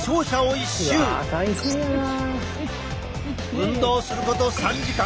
運動すること３時間。